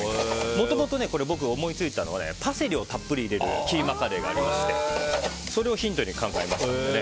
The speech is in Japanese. もともと僕、思いついたのがパセリをたっぷり入れるキーマカレーがありましてそれをヒントに考えました。